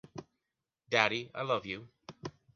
Daddy, I love you.